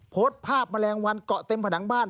โพสต์ภาพแมลงวันเกาะเต็มผนังบ้าน